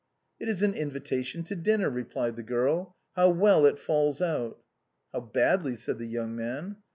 " It is an invitation to dinner," replied the girl. "How ■well it falls out." " How badly," said the young man.